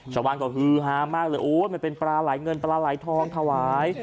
ชาวบ้านก็ฮือฮามากเลยโอ้ยมันเป็นปลาไหลเงินปลาไหลทองถวาย